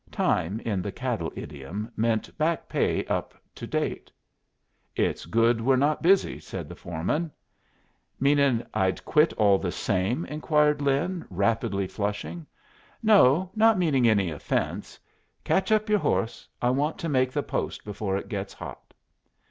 Time, in the cattle idiom, meant back pay up to date. "It's good we're not busy," said the foreman. "Meanin' I'd quit all the same?" inquired Lin, rapidly, flushing. "No not meaning any offence. Catch up your horse. I want to make the post before it gets hot."